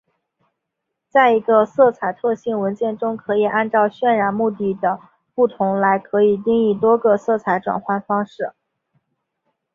在一个色彩特性文件中可以按照渲染目的的不同来可以定义多个色彩转换方式。